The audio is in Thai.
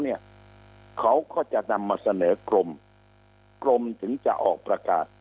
เนี่ยเขาก็จะนำมาเสนอกรมถึงจะออกประกาศ